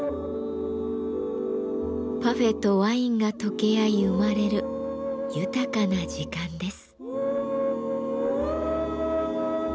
パフェとワインが溶け合い生まれる豊かな時間です。